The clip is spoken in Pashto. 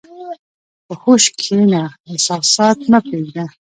په هوښ کښېنه، احساسات مه پرېږده.